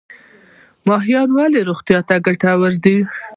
ماهي ولې روغتیا ته ګټور دی؟